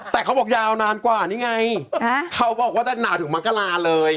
แต่เขาบอกยาวนานกว่านี่ไงเขาบอกว่าจะหนาวถึงมกราเลย